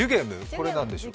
これは何でしょう？